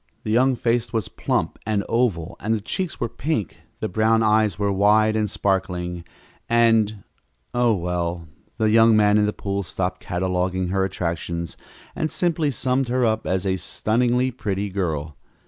The young face was plump and oval, and the cheeks were pink, the brown eyes were wide and sparkling and Oh, well, the young man in the pool stopped cataloguing her attractions and simply summed her up as a stunningly pretty girl.